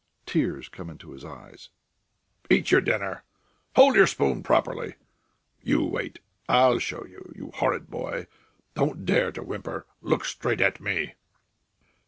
Tears come into his eyes. "Eat your dinner! Hold your spoon properly! You wait. I'll show you, you horrid boy! Don't dare to whimper! Look straight at me!"